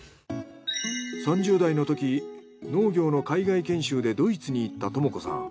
３０代のとき農業の海外研修でドイツに行った友子さん。